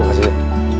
terima kasih ya